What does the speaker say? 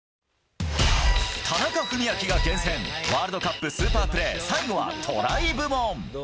田中史朗が厳選、ワールドカップスーパープレー、最後はトライ部門。